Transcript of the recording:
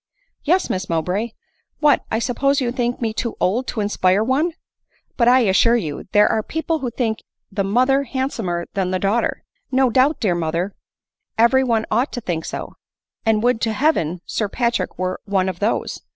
" Yes, Miss Mowbray ! What, 1 suppose you think me too old to inspire one !— *But, I assure you, there are people who think the mother handsomer than the daugh ter !"" No doubt, dear mother, every one ought to think so — and would to Heaven Sir Patrick were one of those